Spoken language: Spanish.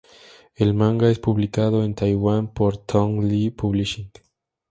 El manga es publicado en Taiwán por Tong Li Publishing.